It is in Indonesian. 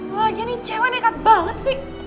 lagi ini cewe deket banget sih